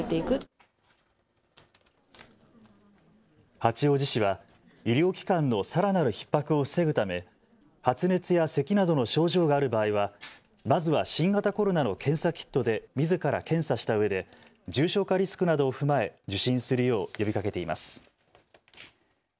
八王子市は医療機関のさらなるひっ迫を防ぐため発熱やせきなどの症状がある場合はまずは新型コロナの検査キットでみずから検査したうえで重症化リスクなどを踏まえ受診するよう呼びかけています。